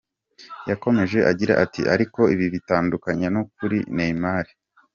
Yakomeje agira ati: “Ariko ibi bitandukanye no kuri Neymar.